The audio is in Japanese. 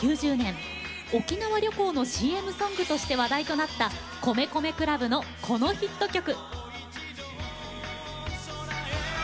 沖縄旅行のＣＭソングとして話題となった米米ＣＬＵＢのこのヒット曲。